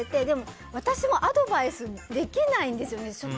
私もアドバイスできないんですよね。